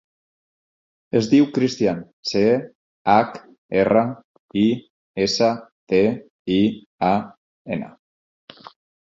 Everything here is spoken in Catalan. Es diu Christian: ce, hac, erra, i, essa, te, i, a, ena.